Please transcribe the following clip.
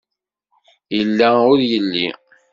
Yella ur yelli.